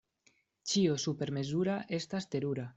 Ĉio supermezura estas terura.